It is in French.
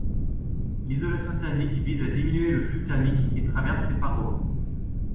L'isolation thermique vise à diminuer le flux thermique qui traverse ses parois.